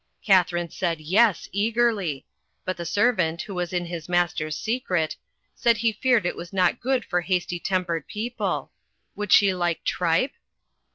Katharine said "Yes," eagerly; but the servant, who was in his master's secret, said he feared it was not good for hasty tempered people. Would she like tripe?